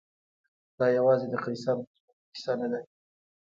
دا یوازې د قیصر د ژوندلیک کیسه نه ده.